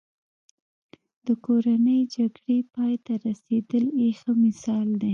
د کورنۍ جګړې پای ته رسېدل یې ښه مثال دی.